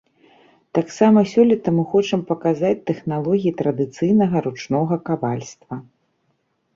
Таксама сёлета мы хочам паказаць тэхналогіі традыцыйнага ручнога кавальства.